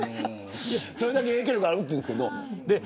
それだけ影響力があるんですけど。